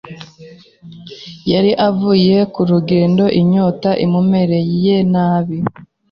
Yali avuye ku rugendo inyota imumereye nabi .